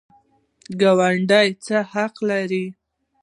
ګاونډي څه حقوق لري؟